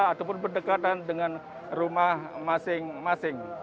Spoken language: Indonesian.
ataupun berdekatan dengan rumah masing masing